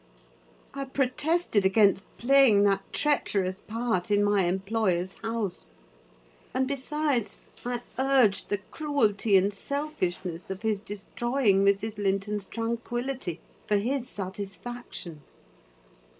I protested against playing that treacherous part in my employer's house: and, besides, I urged the cruelty and selfishness of his destroying Mrs. Linton's tranquillity for his satisfaction.